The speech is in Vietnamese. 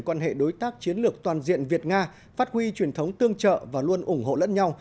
quan hệ đối tác chiến lược toàn diện việt nga phát huy truyền thống tương trợ và luôn ủng hộ lẫn nhau